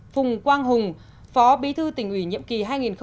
phùng quang hùng phó bí thư tỉnh uỷ nhiệm kỳ hai nghìn một mươi hai nghìn một mươi năm